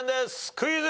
クイズ。